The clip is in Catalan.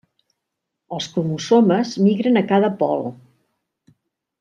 Els cromosomes migren a cada pol.